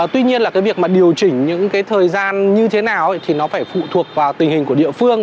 tuy nhiên là cái việc mà điều chỉnh những cái thời gian như thế nào thì nó phải phụ thuộc vào tình hình của địa phương